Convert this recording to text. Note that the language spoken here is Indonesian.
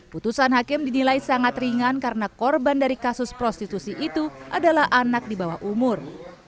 putusan hakim dinilai sangat ringan karena korban dari kasus prostitusi itu adalah anak di bawah umur